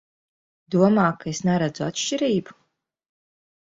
Domā, ka es neredzu atšķirību?